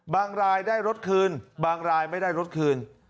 รายได้รถคืนบางรายไม่ได้รถคืน